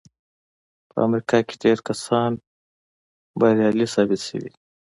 په امريکا کې ډېر کسان بريالي ثابت شوي دي.